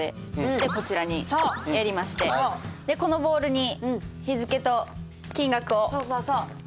でこちらにやりましてこのボールに日付と金額を入れますね。